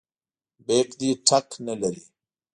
بیک دې ټک نه لري.